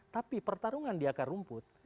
tapi pertarungan di akar rumput